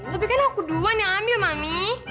tapi kan aku duluan yang ambil mami